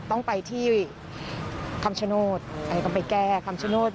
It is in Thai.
ต้องไปที่คำชโนธต้องไปแก้คำชโนธ